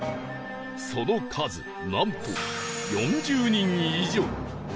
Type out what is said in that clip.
その数なんと４０人以上